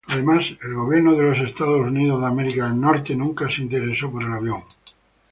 Además, el gobierno de los Estados Unidos nunca se interesó por el avión.